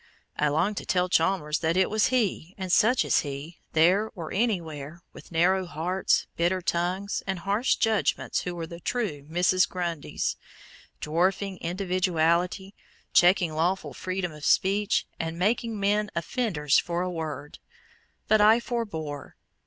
I longed to tell Chalmers that it was he and such as he, there or anywhere, with narrow hearts, bitter tongues, and harsh judgments, who were the true "Mrs. Grundys," dwarfing individuality, checking lawful freedom of speech, and making men "offenders for a word," but I forebore.